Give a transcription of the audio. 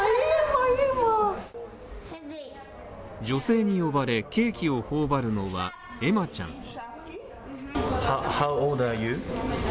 女性に呼ばれ、ケーキを頬張るのは、エマちゃん。